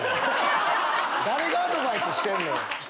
誰がアドバイスしてんねん！